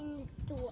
ini adalah korban